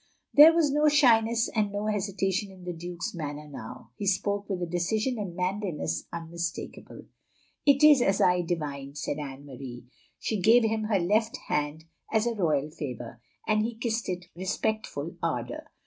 There was no shyness and no hesitation in the Duke's manner now. He spoke with a decision and manliness unmistakable. "It is as I divined," said Anne Marie: she gave him her left hand as a royal favour, and he kissed it with respectful ardour.